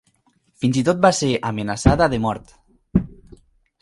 Fins i tot va ser amenaçada de mort.